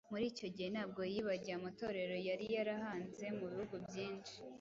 Muri icyo gihe ntabwo yibagiwe amatorero yari yarahanze mu bihugu byinshi.